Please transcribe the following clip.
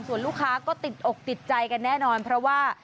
ส่วนลูกค้าก็ติดอกติดใจกันแน่นอนเพราะว่า